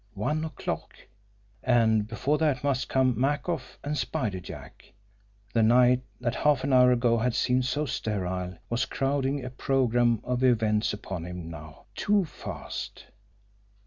One o'clock! And before that must come Makoff and Spider Jack! The night that half an hour ago had seemed so sterile, was crowding a program of events upon him now too fast!